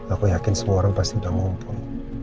aku yakin semua orang pasti udah ngumpul